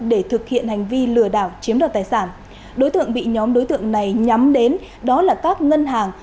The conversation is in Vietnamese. để thực hiện hành vi lừa đảo chiếm đoạt tài sản đối tượng bị nhóm đối tượng này nhắm đến đó là các ngân hàng